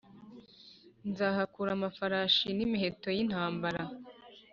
nzahakura amafarashi n imiheto y intambara